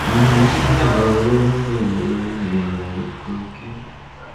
তোর মুখ থেঁতলে দেবো।